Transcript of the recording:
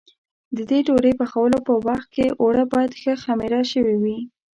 د دې ډوډۍ پخولو په وخت کې اوړه باید ښه خمېره شوي وي.